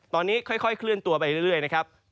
ตอนนี้ค่อยเคลื่อนตัวไปเรื่อยนะครับ